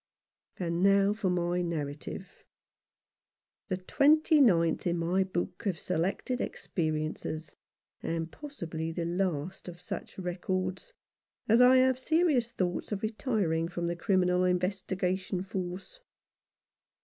And now for my narrative ; the twenty ninth in my book of selected experi ences, and possibly the last of such records, as I have serious thoughts of retiring from the Criminal Investigation Force.